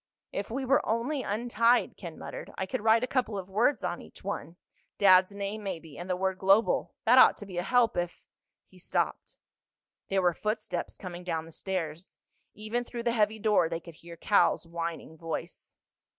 "If we were only untied," Ken muttered, "I could write a couple of words on each one. Dad's name, maybe, and the word Global. That ought to be a help if—" He stopped. There were footsteps coming down the stairs. Even through the heavy door they could hear Cal's whining voice.